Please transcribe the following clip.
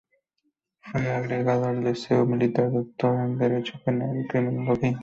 Fue egresado del Liceo Militar, doctor en Derecho Penal y Criminología.